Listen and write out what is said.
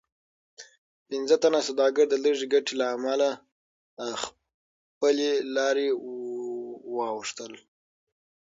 پنځه تنه سوداګر د لږې ګټې له امله له خپلې لارې واوښتل.